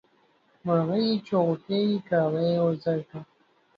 مرغۍ، چوغکي کاغۍ او زرکه